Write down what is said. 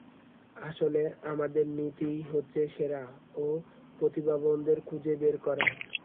আসলে, আমাদের নীতিই হচ্ছে সেরা ও প্রতিভাবানদের খুঁজে বের করা।